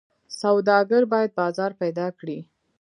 سوداګر باید بازار پیدا کړي.